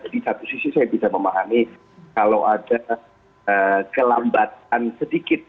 jadi satu sisi saya bisa memahami kalau ada kelambatan sedikit